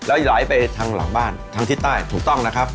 แล้วไหลไปทางหลังบ้านทางทิศใต้ถูกต้องนะครับ